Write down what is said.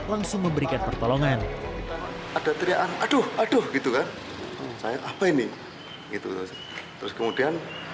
langsung memberikan pertolongan ada teriakan aduh aduh gitu kan saya apa ini gitu terus kemudian